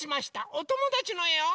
おともだちのえを。